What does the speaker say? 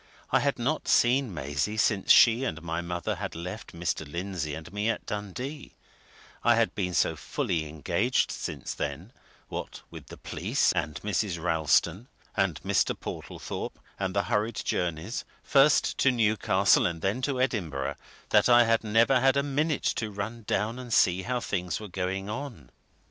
I had not seen Maisie since she and my mother had left Mr. Lindsey and me at Dundee I had been so fully engaged since then, what with the police, and Mrs. Ralston, and Mr. Portlethorpe, and the hurried journeys, first to Newcastle and then to Edinburgh, that I had never had a minute to run down and see how things were going on.